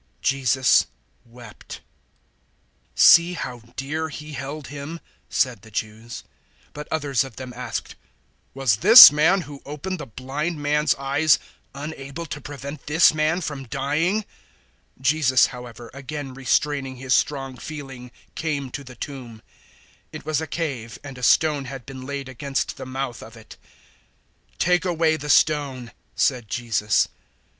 011:035 Jesus wept. 011:036 "See how dear he held him," said the Jews. 011:037 But others of them asked, "Was this man who opened the blind man's eyes unable to prevent this man from dying?" 011:038 Jesus, however, again restraining His strong feeling, came to the tomb. It was a cave, and a stone had been laid against the mouth of it. 011:039 "Take away the stone," said Jesus.